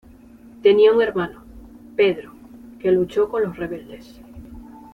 Tenía un hermano, Pedro, que luchó con los rebeldes.